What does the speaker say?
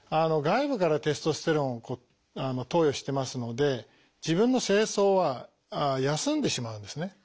外部からテストステロンを投与してますので自分の精巣は休んでしまうんですね。